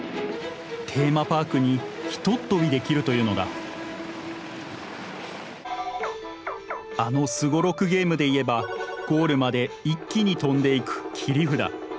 テーマパークにひとっ飛びできるというのだあのすごろくゲームで言えばゴールまで一気に飛んでいく切り札。